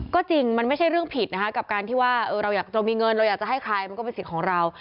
ก็จริงมันไม่ใช่เรื่องผิดนะคะกับการที่ว่าเราอยากจะมีเงินเราอยากจะให้ใครมันก็เป็นสิทธิ์ของเรา